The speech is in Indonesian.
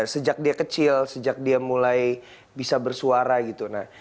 sejak dia kecil sejak dia mulai bisa bersuara gitu